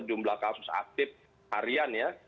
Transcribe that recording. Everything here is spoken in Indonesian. jumlah kasus aktif harian ya